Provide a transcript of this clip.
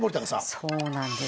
そうなんです。